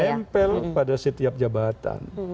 dan itu menempel pada setiap jabatan